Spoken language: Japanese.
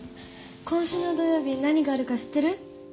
今週の土曜日何があるか知ってる？